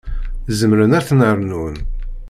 Zemren ad ten-rnun.